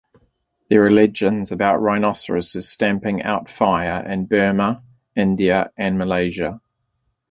There are legends about rhinoceroses stamping out fire in Burma, India, and Malaysia.